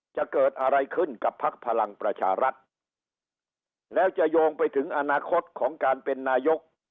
จะเกิดอะไรขึ้นกับพักพลังประชารัฐแล้วจะโยงไปถึงอนาคตของการเป็นนายก